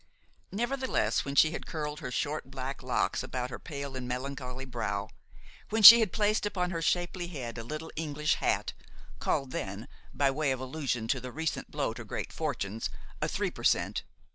Nevertheless, when she had curled her short black locks about her pale and melancholy brow, when she had placed upon her shapely head a little English hat, called then, by way of allusion to the recent blow to great fortunes, a three per cent.